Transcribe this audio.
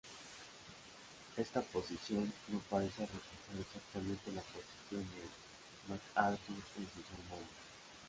Esta posición no parece reflejar exactamente la posición de MacArthur en sus sermones.